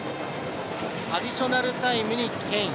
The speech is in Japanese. アディショナルタイムにケイン。